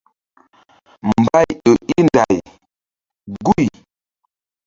Mbay ƴo í nday guy.